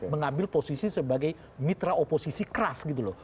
mengambil posisi sebagai mitra oposisi keras gitu loh